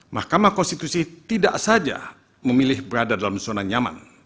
mahkamah konstitusi tidak saja memilih berada dalam zona nyaman